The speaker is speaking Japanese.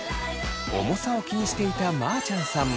重さを気にしていたまーちゃんさんも。